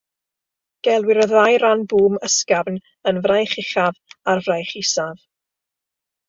Gelwir y ddau ran bŵm ysgafn yn fraich uchaf a'r fraich isaf.